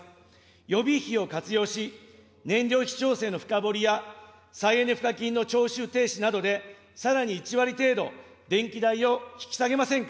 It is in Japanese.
予備費を活用し、燃料費調整の深掘りや再エネ賦課金の徴収停止などで、さらに１割程度、電気代を引き下げませんか。